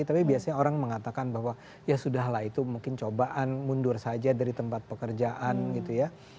tapi biasanya orang mengatakan bahwa ya sudah lah itu mungkin cobaan mundur saja dari tempat pekerjaan gitu ya